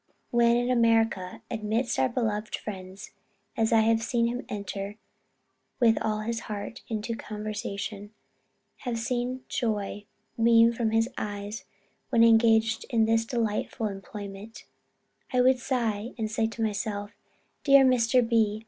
When in America amidst our beloved friends, as I have seen him enter with all his heart into conversation have seen joy beam from his eyes when engaged in this delightful employment I would sigh, and say to myself, dear Mr. B.